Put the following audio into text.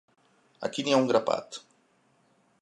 Aquí n'hi ha un grapat.